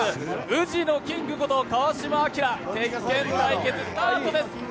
宇治のキングこと川島明、「鉄拳」対決スタートです！